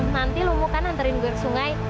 nanti lo mau kan anterin gue ke sungai